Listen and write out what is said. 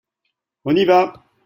On y va !